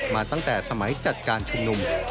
มาตั้งแต่สมัยจัดการชุมนุม